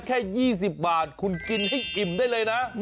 แค่๒๐บาทคุณกินให้อิ่มได้เลยนะ